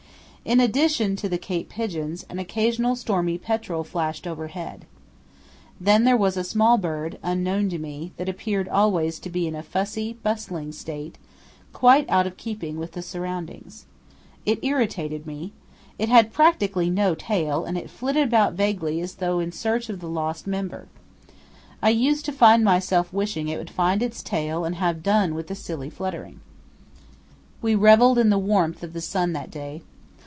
In addition to the Cape pigeons an occasional stormy petrel flashed overhead. Then there was a small bird, unknown to me, that appeared always to be in a fussy, bustling state, quite out of keeping with the surroundings. It irritated me. It had practically no tail, and it flitted about vaguely as though in search of the lost member. I used to find myself wishing it would find its tail and have done with the silly fluttering. We revelled in the warmth of the sun that day.